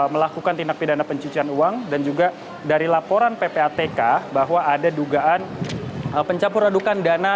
melakukan tindak pidana pencucian uang dan juga dari laporan ppatk bahwa ada dugaan pencampur adukan dana